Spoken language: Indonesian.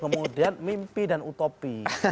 kemudian mimpi dan utopi